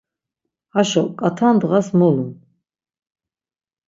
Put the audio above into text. Haşo ǩat̆a ndğas mulun.